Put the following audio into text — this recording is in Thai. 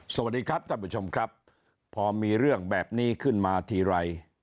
สวัสดีครับท่านผู้ชมครับพอมีเรื่องแบบนี้ขึ้นมาทีไร